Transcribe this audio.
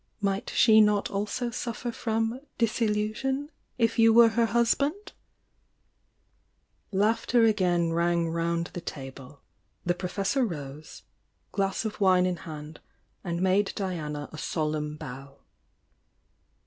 "Might she not also suffer from 'disillusion' if you were her husband?" ,,^ ui ^v. n^ Laughter again rang round the table,— the po fessor rose, glass of wine in hand, and made Diana a solemn bow.